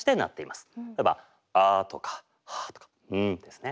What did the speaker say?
例えば「あ」とか「は」とか「ん」ですね。